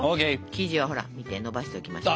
生地はほら見てのばしておきました。